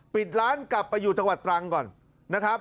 ปิดร้านกลับไปอยู่จังหวัดตรังก่อนนะครับ